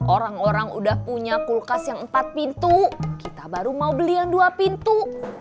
orang orang udah punya kulkas yang empat pintu kita baru mau beli yang dua pintu